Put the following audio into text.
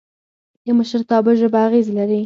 د مشرتابه ژبه اغېز لري